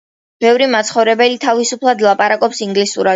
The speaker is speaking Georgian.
ბევრი მაცხოვრებელი თავისუფლად ლაპარაკობს ინგლისურად.